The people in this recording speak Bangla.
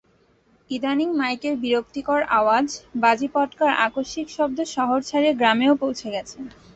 ইদানিং মাইকের বিরক্তিকর আওয়াজ, বাজি-পটকার আকস্মিক শব্দ শহর ছাড়িয়ে গ্রামেও পৌছে গেছে।